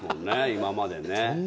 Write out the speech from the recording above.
今までね。